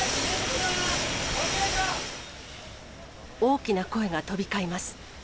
大きな声が飛び交います。